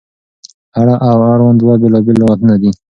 اړه او اړوند دوه بېلابېل لغتونه دي.